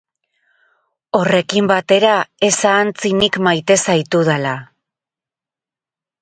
Horrekin batera, ez ahantzi nik maite zaitudala.